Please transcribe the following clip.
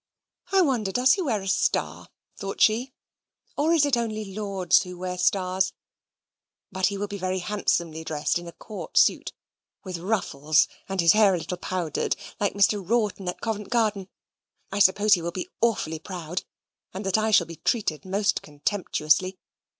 "I wonder, does he wear a star?" thought she, "or is it only lords that wear stars? But he will be very handsomely dressed in a court suit, with ruffles, and his hair a little powdered, like Mr. Wroughton at Covent Garden. I suppose he will be awfully proud, and that I shall be treated most contemptuously.